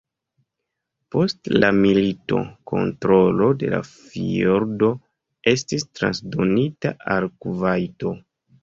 Post la milito kontrolo de la fjordo estis transdonita al Kuvajto.